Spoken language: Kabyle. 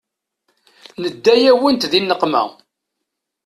Nedda-yawent di nneqma.